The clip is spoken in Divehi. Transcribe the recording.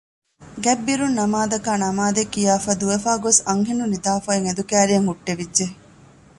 ގަތްބިރުން ނަމާދަކާ ނަމާދެއް ކިޔާފައި ދުވެފައި ގޮސް އަންހެނުން ނިދާފައި އޮތް އެނދު ކައިރިއަށް ހުއްޓެވިއްޖެ